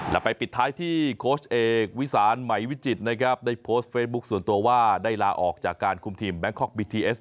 แล้วไปปิดท้ายที่โค้ชเอกวิสานไหมวิจิตรนะครับได้โพสต์เฟซบุ๊คส่วนตัวว่าได้ลาออกจากการคุมทีมแบงคอกบีทีเอส